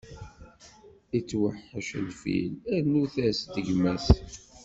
Itweḥḥec lfil, rnut-as-d gma-s!